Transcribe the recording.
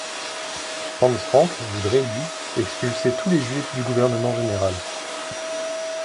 Hans Frank voudrait lui expulser tous les juifs du Gouvernement général.